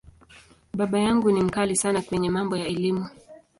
Baba yangu ni ‘mkali’ sana kwenye mambo ya Elimu.